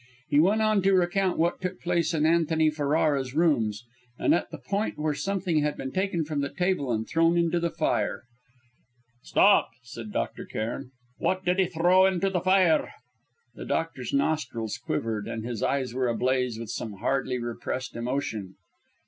He went on to recount what took place in Antony Ferrara's rooms, and at the point where something had been taken from the table and thrown in the fire "Stop!" said Dr. Cairn. "What did he throw in the fire?" The doctor's nostrils quivered, and his eyes were ablaze with some hardly repressed emotion.